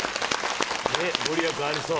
ねぇご利益ありそう。